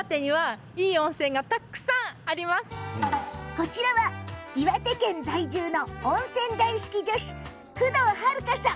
こちらは岩手県在住の温泉大好き女子工藤晴香さん。